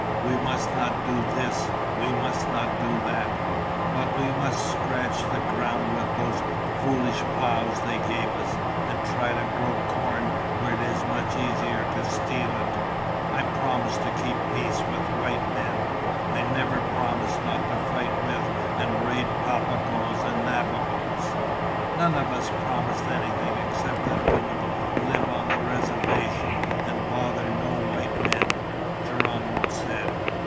We must not do this, we must not do that! But we must scratch the ground with those foolish plows they gave us, and try to grow corn when it is much easier to steal it! I promised to keep peace with white men! I never promised not to fight with and raid Papagoes and Navajos!" "None of us promised anything except that we would live on the reservation and bother no white men," Geronimo said.